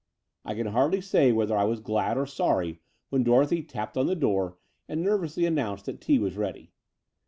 I can hardly say whether I was glad or sorry when Dorothy tapped on the door and nervously announced that tea was ready.